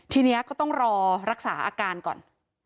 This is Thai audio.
ทีนี้ก็ต้องรอรักษาอาการก่อน